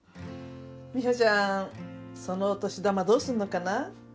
美帆ちゃんそのお年玉どうすんのかな？